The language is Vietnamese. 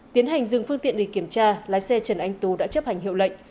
tiến hành dừng phương tiện để kiểm tra lái xe trần anh tú đã chấp hành hiệu lệnh